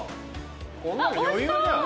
こんなの余裕じゃん。